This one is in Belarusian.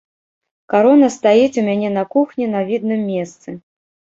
Карона стаіць у мяне на кухні на відным месцы.